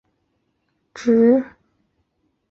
香藜是苋科藜属的植物。